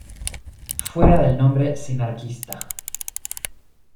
Fuera del nombre "sinarquista".